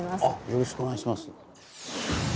よろしくお願いします。